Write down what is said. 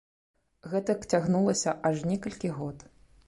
Гэтак цягнулася аж некалькі год.